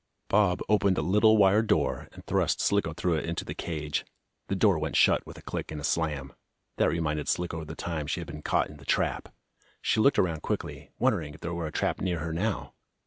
Bob opened a little wire door, and thrust Slicko through it into the cage. The door went shut with a click and a slam, that reminded Slicko of the time she had been caught in the trap. She looked around quickly, wondering if there were a trap near her now.